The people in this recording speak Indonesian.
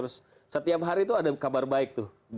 setiap hari itu ada kabar baik tuh